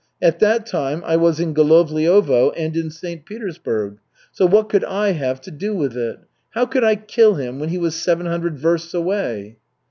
At that time I was at Golovliovo and in St. Petersburg. So what could I have to do with it? How could I kill him when he was seven hundred versts away?"